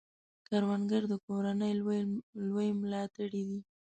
کروندګر د کورنۍ لوی ملاتړی دی